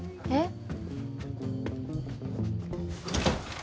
えっ？